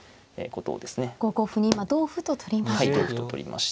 ５五歩に今同歩と取りました。